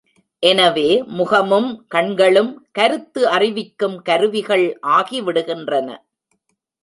எனவே முகமும் கண்களும் கருத்து அறிவிக்கும் கருவிகள் ஆகிவிடுகின்றன.